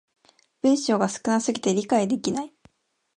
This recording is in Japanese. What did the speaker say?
文章が少な過ぎて理解できない